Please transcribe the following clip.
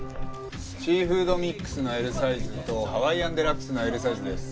シーフードミックスのＬサイズとハワイアンデラックスのＬサイズです。